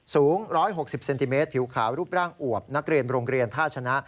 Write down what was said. สูง๑๖๐เซนติเมตรผิวขาวรูปร่างอวบนักเรียนโรงเรียนท่าชนะ